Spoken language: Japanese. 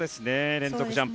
連続ジャンプ。